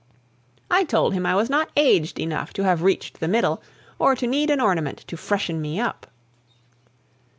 I told him I was not aged enough to have reached the middle, or to need an ornament to freshen me up!